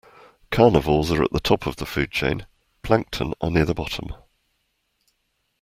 Carnivores are at the top of the food chain; plankton are near the bottom